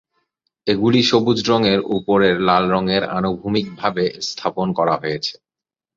এগুলি সবুজ রঙের উপরের লাল রঙের আনুভূমিক ভাবে স্থাপন করা হয়েছে।